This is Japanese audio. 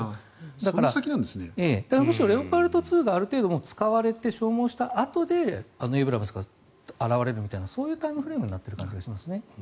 だから、むしろレオパルト２がある程度使われて消耗したあとでエイブラムスが現れるみたいなそういうタイムフレームになっている感じがしますね。